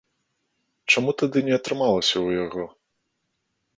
Чаму тады не атрымалася ў яго?